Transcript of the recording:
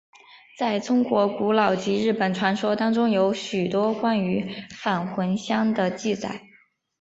在中国古书及日本传说当中有许多关于返魂香的记载。